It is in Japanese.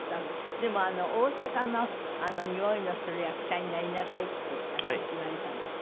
でも大阪のにおいのする役者になりなさいって言われたんですって？